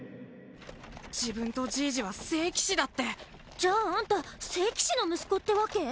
自分とじいじはせいきしだってじゃああんた聖騎士の息子ってわけ？